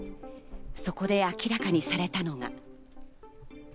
そこで明らかにされたのが。